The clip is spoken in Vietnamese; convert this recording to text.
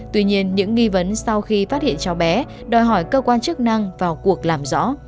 tuy nhiên những nghi vấn sau khi phát hiện cháu bé đòi hỏi cơ quan chức năng vào cuộc làm rõ